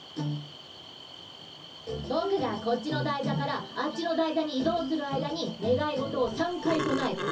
ぼくがこっちの台座からあっちの台座に移動する間にねがい事を３回となえてね。